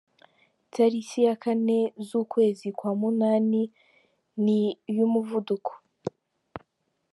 Itariki ya Kane z’ukwezi kwa munani ni iy’umuvuduko.